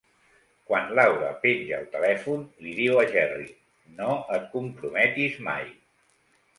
Quan Laura penja el telèfon li diu a Jerry: No et comprometis mai.